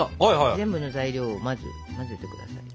全部の材料を混ぜて下さい。